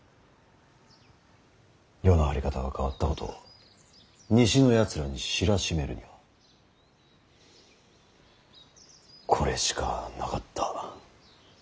世の在り方が変わったことを西のやつらに知らしめるにはこれしかなかった。